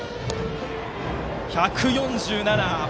１４７！